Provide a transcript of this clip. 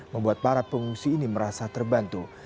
membuat para pengungsi ini merasa terbantu